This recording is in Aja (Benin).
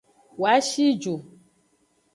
Woa shi ju.